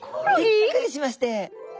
びっくりしまして。